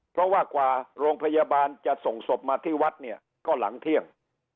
เพราะว่ากว่าโรงพยาบาลจะส่งศพมาที่วัดเนี่ยก็หลังเที่ยง